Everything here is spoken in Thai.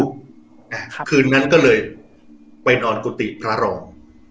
คืนนั้นก็เลยไปนอนกุฏิพระรอง